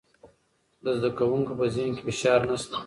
د زده کوونکو په ذهن کې فشار نشته.